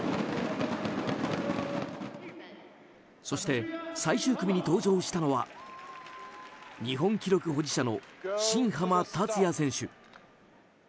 そして、最終組に登場したのは日本記録保持者の新濱立也選手。